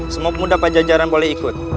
semua pemuda pajajaran boleh ikut